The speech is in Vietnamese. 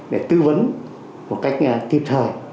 để tư vấn một cách kịp thời